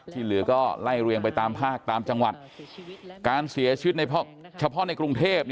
ที่เหลือก็ไล่เรียงไปตามภาคตามจังหวัดการเสียชีวิตในเฉพาะในกรุงเทพ